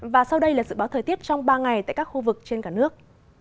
và sau đây là dự báo thời tiết trong ba ngày tại các khu vực trên cả nước